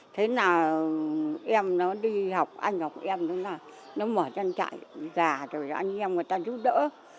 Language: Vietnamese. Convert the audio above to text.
thế là em nó đi học anh học em nó mở chăn chạy gà rồi anh em người ta giúp đỡ